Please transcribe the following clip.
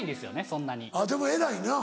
あっでも偉いな。